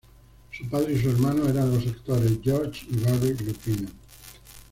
Su padre y su hermano eran los actores George y Barry Lupino.